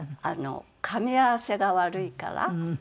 あのかみ合わせが悪いから。